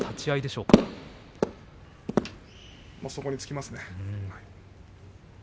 そこに尽きますね。